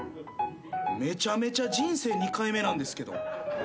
めちゃめちゃ人生２回目なんですけど。